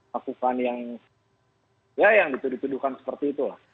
lakukan yang ya yang dituduhkan seperti itu lah